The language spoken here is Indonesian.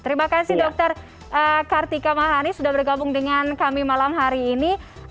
terima kasih dokter kartika mahani sudah bergabung dengan kami malam hari ini